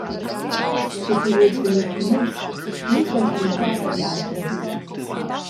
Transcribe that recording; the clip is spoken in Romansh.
Sche ti vul vegnir cun nus, nus vein aunc in plaz egl auto.